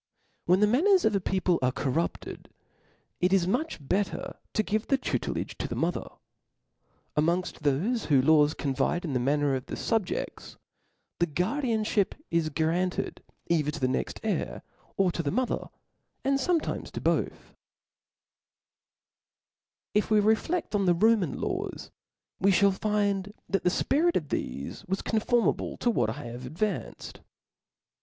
When the manneri of a people are corrupted, it is much better to give the tutelage to the mother. Amongft thofe whoffe laws confide in the manners of the fubjeds^ the guardianlhip is granted either to the next heir, or to the mother, and fornetimes to both, Gg3 If '454 T H t :SP 1 R I T Book If we refleA on the Roman laws, we Ihall find' Cbapfis. that the fpirit of thefe was conformable to what I have advanced.